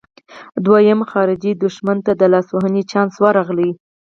دویم خارجي دښمن ته د لاسوهنې چانس ورغلی.